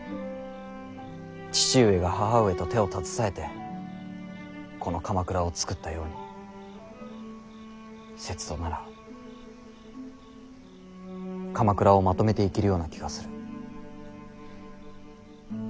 父上が母上と手を携えてこの鎌倉をつくったようにせつとなら鎌倉をまとめていけるような気がする。